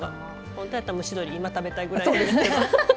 本当やったら蒸し鶏今食べたいぐらいですけど。